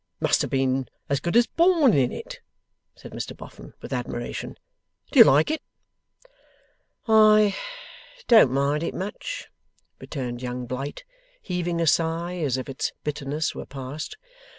'Must have been as good as born in it!' said Mr Boffin, with admiration. 'Do you like it?' 'I don't mind it much,' returned Young Blight, heaving a sigh, as if its bitterness were past.